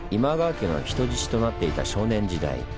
家の人質となっていた少年時代。